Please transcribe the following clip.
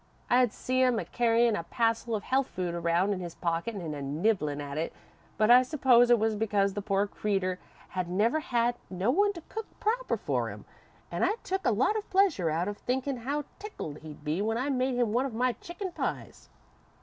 I'd seen him a carryin' a passel of health food around in his pocket an' a nibblin' at it, but I supposed it was because the poor creeter had never had no one to cook proper for him, an' I took a lot of pleasure out of thinkin' how tickled he'd be when I made him one of my chicken pies.